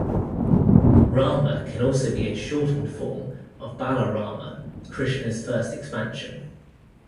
Rama can also be a shortened form of Balarama, Krishna's first expansion.